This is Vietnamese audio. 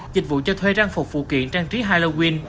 dịch vụ cho thuê trang phục phụ kiện trang trí halloween